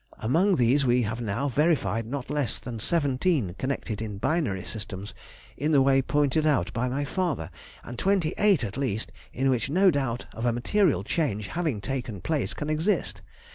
Among these we have now verified not less than seventeen connected in binary systems in the way pointed out by my father, and twenty eight at least in which no doubt of a material change having taken place can exist.